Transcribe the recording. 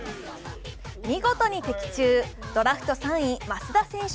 見事に的中、ドラフト３位、益田選手